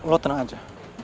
lo tenang aja